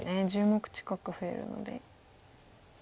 １０目近く増えるので。